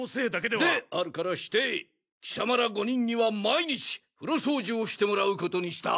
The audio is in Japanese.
であるからしてきさまら５人には毎日風呂掃除をしてもらうことにした。